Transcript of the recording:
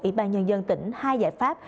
ủy ban nhân dân tỉnh hai giải pháp